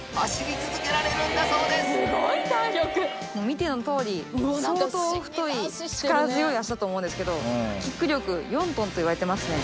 見てのとおり相当太い力強い脚だと思うんですけど。といわれてますね。